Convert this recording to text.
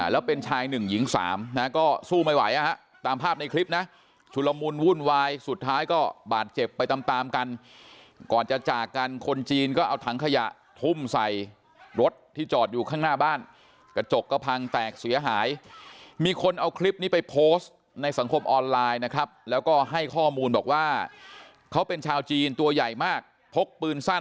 แล้วเป็นชายหนึ่งหญิงสามนะก็สู้ไม่ไหวตามภาพในคลิปนะชุลมุนวุ่นวายสุดท้ายก็บาดเจ็บไปตามตามกันก่อนจะจากกันคนจีนก็เอาถังขยะทุ่มใส่รถที่จอดอยู่ข้างหน้าบ้านกระจกก็พังแตกเสียหายมีคนเอาคลิปนี้ไปโพสต์ในสังคมออนไลน์นะครับแล้วก็ให้ข้อมูลบอกว่าเขาเป็นชาวจีนตัวใหญ่มากพกปืนสั้น